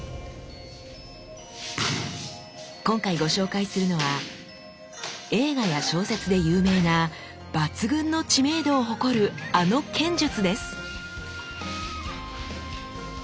今回ご紹介するのは映画や小説で有名な抜群の知名度を誇るあの剣術です。